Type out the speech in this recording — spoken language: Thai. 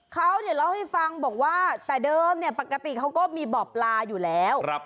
เขาเล่าให้ฟังบอกว่าแต่เดิมปกติเขาก็มีบ่อปลาอยู่แล้ว